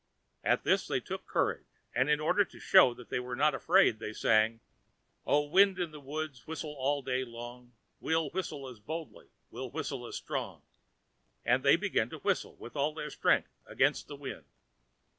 At this they took courage, and, in order to show they were not afraid, they sang: O wind, in the wood whistle all the day long, We'll whistle as boldly, we'll whistle as strong, and they began to whistle, with all their strength, against the wind.